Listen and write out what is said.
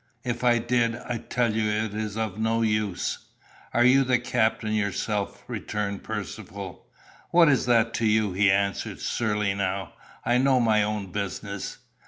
"If I did, I tell you it is of no use." "Are you the captain yourself?" returned Percivale. "What is that to you?" he answered, surly now. "I know my own business."